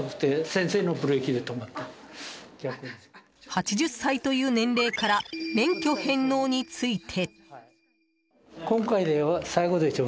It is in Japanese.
８０歳という年齢から免許返納について。